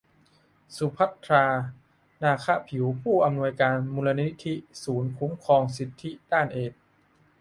สุภัทรา นาคะผิว ผู้อำนวยการมูลนิธิศูนย์คุ้มครองสิทธิด้านเอดส์